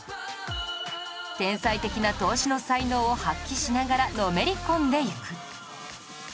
天才的な投資の才能を発揮しながらのめり込んでいく